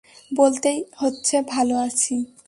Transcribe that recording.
বলতেই হচ্ছে ভালো আছি।